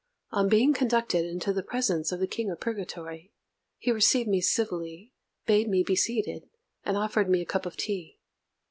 On being conducted into the presence of the King of Purgatory, he received me civilly, bade me be seated, and offered me a cup of tea.